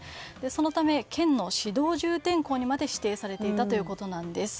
そのため県の指導重点校にまで指定されていたということです。